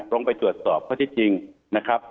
ลงไปตรวจสอบข้อที่จริงนะครับ